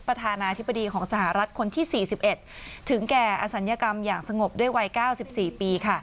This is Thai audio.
ประธานาธิบดีของสหรัฐคนที่๔๑ถึงแก่อศัลยกรรมอย่างสงบด้วยวัย๙๔ปี